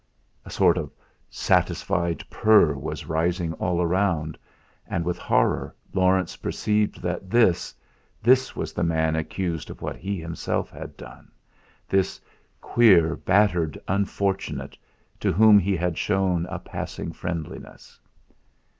A sort of satisfied purr was rising all round; and with horror Laurence perceived that this this was the man accused of what he himself had done this queer, battered unfortunate to whom he had shown a passing friendliness.